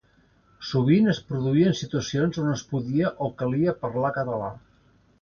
Sovint es produïen situacions on es podia o calia parlar català.